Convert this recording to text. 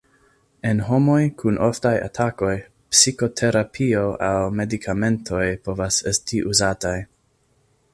En homoj kun oftaj atakoj, psikoterapio aŭ medikamentoj povas esti uzataj.